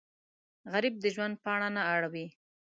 غریب د ژوند پاڼه نه اړوي